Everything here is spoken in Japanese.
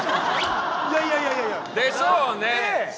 いやいやいやいや。でしょうね！